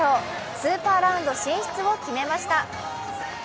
スーパーラウンド進出を決めました。